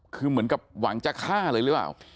คือเหมือนกับหวังจะฆ่าเลยหรือเปล่า